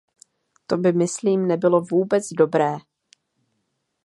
To by myslím nebylo vůbec dobré.